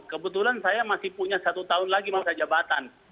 kebetulan saya masih punya satu tahun lagi masa jabatan